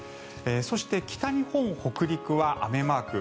そして、北日本、北陸は雨マーク。